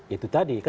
itu tadi kan